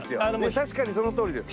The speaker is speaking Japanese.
確かにそのとおりです。